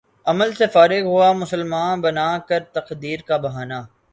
عمل سے فارغ ہوا مسلماں بنا کر تقدیر کا بہانہ